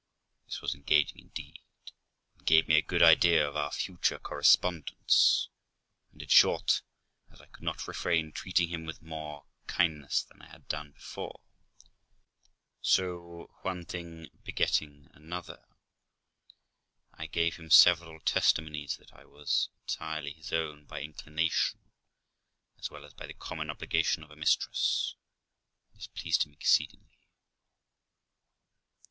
This was engaging indeed, and gave me a good idea of our future cor respondence ; and, in short, as I could not refrain treating him with more kindness than I had done before, so, one thing begetting another, I gave him several testimonies that I was entirely his own by inclination as well as by the common obligation of a mistress, and this pleased him exceedingly.